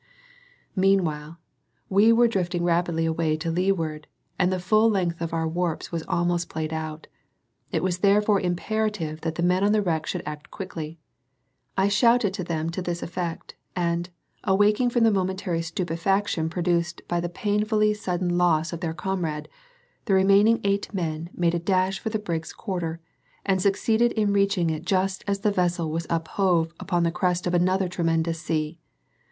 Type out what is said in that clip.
Meanwhile, we were drifting rapidly away to leeward, and the full length of our warps was almost paid out; it was therefore imperative that the men on the wreck should act quickly. I shouted to them to this effect, and, awaking from the momentary stupefaction produced by the painfully sudden loss of their comrade, the remaining eight men made a dash for the brig's quarter, and succeeded in reaching it just as the vessel was uphove upon the crest of another tremendous sea.